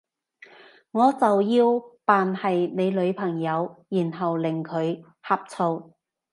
我就要扮係你女朋友，然後令佢呷醋？